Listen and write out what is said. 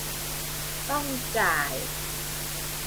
ต้องจ่าย